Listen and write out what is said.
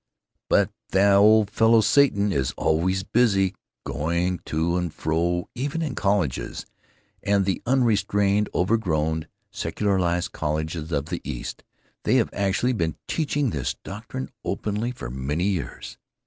] "But the old fellow Satan is always busy going to and fro even in colleges, and in the unrestrained, overgrown, secularized colleges of the East they have actually been teaching this doctrine openly for many years.